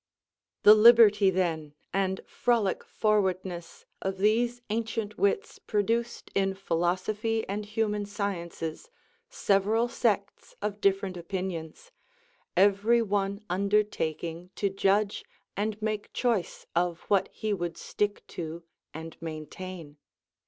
The liberty, then, and frolic forwardness of these ancient wits produced in philosophy and human sciences several sects of different opinions, every one undertaking to judge and make choice of what he would stick to and maintain.